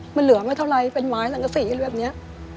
มันเหลือไม่เท่าไรเป็นไม้สังกษีแบบนี้